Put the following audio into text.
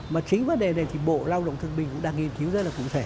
mà chính vấn đề này thì bộ lao động thương bình cũng đang nghiên cứu rất là cụ thể